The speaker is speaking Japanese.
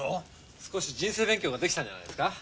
少し人生勉強ができたんじゃないですか？